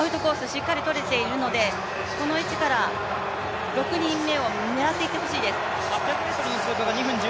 しっかり取れているので、この位置から６人目を狙っていってほしいです。